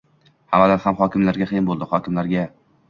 Hammadan ham hokimlarga qiyin bo`ldi, hokimlarga